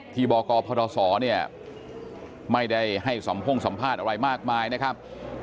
บกพศเนี่ยไม่ได้ให้สัมพ่งสัมภาษณ์อะไรมากมายนะครับ